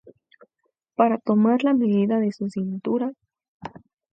Para tomar la medida de su cintura